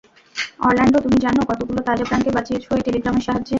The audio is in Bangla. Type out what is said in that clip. অরল্যান্ডো, তুমি জানো কতগুলো তাজা প্রাণকে বাঁচিয়েছ এই টেলিগ্রামের সাহায্যে?